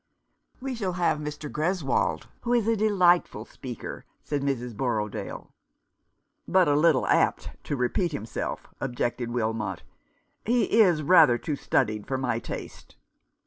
" We shall have Mr. Greswold, who is a delight ful speaker," said Mrs. Borrodaile. "But a little apt to repeat himself," objected Wilmot. " He is rather too studied for my taste."